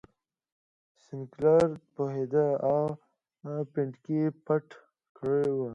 سینکلر پوهېده او پنډکی یې پټ کړی و.